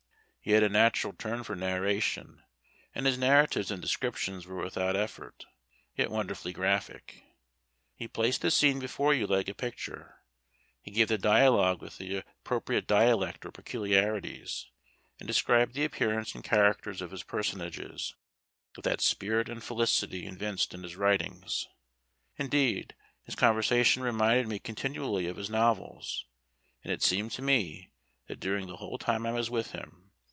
He had a natural turn for narration, and his narratives and descriptions were without effort, yet wonderfully graphic. He placed the scene before you like a picture; he gave the dialogue with the appropriate dialect or peculiarities, and described the appearance and characters of his personages with that spirit and felicity evinced in his writings. Indeed, his conversation reminded me continually of his novels; and it seemed to me, that during the whole time I was with him.